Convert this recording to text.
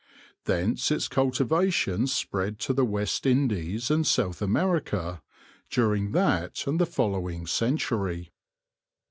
Thence its cultivation spread to the West Indies and South America, dur ing that and the following century.